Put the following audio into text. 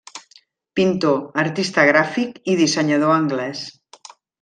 Pintor, artista gràfic i dissenyador anglès.